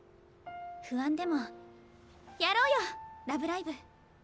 不安でもやろうよ「ラブライブ！」。